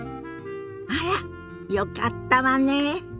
あらっよかったわねえ。